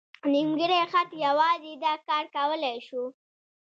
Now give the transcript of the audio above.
نیمګړی خط یوازې دا کار کولی شو.